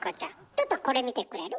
ちょっとこれ見てくれる？